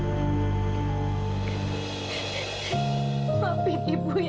kalau kita menyebelin pemimpin murkamnya